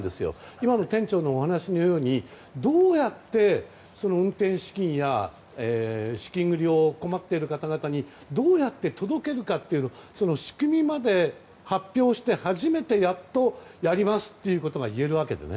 今の店長のお話のようにどうやって運転資金や資金繰りに困っている方々にどうやって届けるかという仕組みまで発表して、初めてやっとやりますってことがいえるわけでね。